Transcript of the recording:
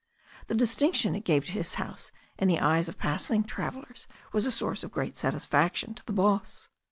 The distinction it gave his house in the eyes of passing travel lers was a source of great satisfaction to the boss.